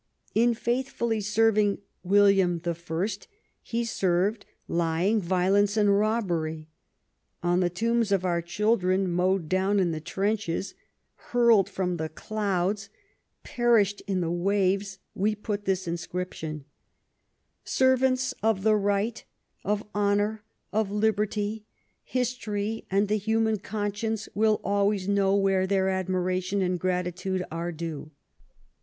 In faithfully serving William I, he served lying, violence, robbery. On the tombs of our children, mowed down in the trenches, hurled from the clouds, perished in the •wav^s, we put this inscription :" Servants of the Right, of Honour, of Liberty, History and the human conscience will always know where their admiration and gratitude are due.